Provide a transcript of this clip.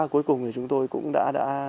cuối cùng chúng tôi cũng đã